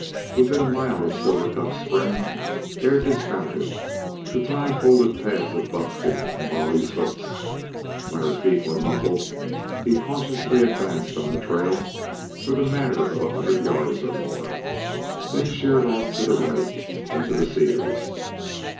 Within a mile of Silver Cup Spring Hare dismounted, to tie folded pads of buckskin on Bolly's hoofs. When her feet were muffled, he cautiously advanced on the trail for the matter of a hundred rods or more; then sheered off to the right into the cedars.